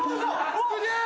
すげえ！